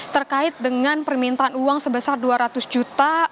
terkait dengan permintaan uang sebesar dua ratus juta